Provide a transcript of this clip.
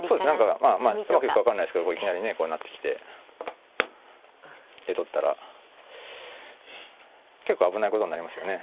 うまくいくか分かんないですけどいきなりねこう成ってきてで取ったら結構危ないことになりますよね。